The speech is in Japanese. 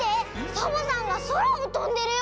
サボさんがそらをとんでるよ！